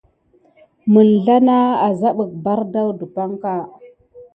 Məŋzla a zabaɓik ɓardawun ɗepanka.